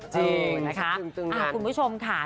จริงนะคะคุณผู้ชมค่ะ